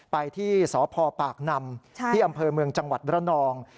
ไปที่สพปากนำที่อำเภอเมืองจังหวัดระนอง